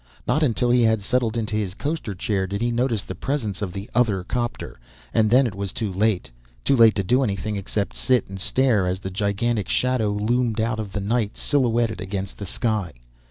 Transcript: Not until he had settled into his coasterchair did he notice the presence of the other 'copter, and then it was too late. Too late to do anything except sit and stare as the gigantic shadow loomed out of the night, silhouetted against the sky.